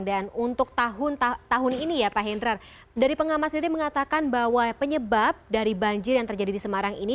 dan untuk tahun ini ya pak hendra dari pengamah sendiri mengatakan bahwa penyebab dari banjir yang terjadi di semarang ini